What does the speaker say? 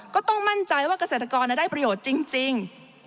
ก็ต้องมั่นใจว่าเกษตรกรได้ประโยชน์จริง